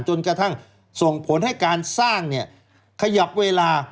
จนกระทั่งส่งผลให้การสร้างเนี่ยขยับเวลา